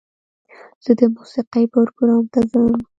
زه د موسیقۍ پروګرام ته ځم.